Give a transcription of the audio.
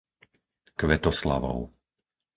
Kvetoslavov